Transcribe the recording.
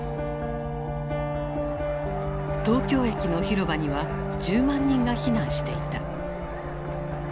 東京駅の広場には１０万人が避難していた。